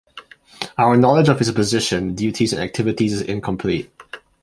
Our knowledge of his position, duties, and activities is incomplete.